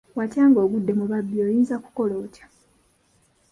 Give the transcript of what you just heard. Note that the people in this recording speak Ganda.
Watya nga ogudde mu babbi, oyinza kukola otya?